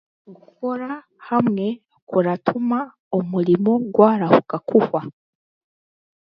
Okukorera hamwe kuratuma omurimo gwarahuka kuhwa.